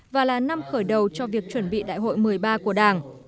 và là năm khởi đầu cho việc chuẩn bị đại hội một mươi ba của đảng